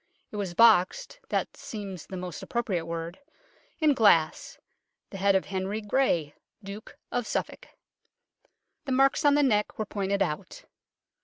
It was boxed (that seems the most appropriate word) in glass the head of Henry Grey, Duke of Suffolk. The marks on the neck were pointed out.